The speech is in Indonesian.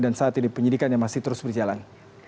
dan saat ini penyidikannya masih terus berjalan